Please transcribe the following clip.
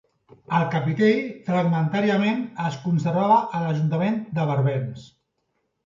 El capitell, fragmentàriament, es conservava a l'ajuntament de Barbens.